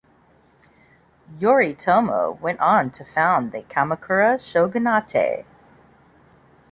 Yoritomo went on to found the Kamakura Shogunate.